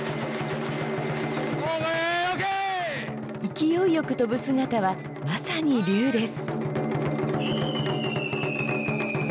勢いよく飛ぶ姿はまさに龍です。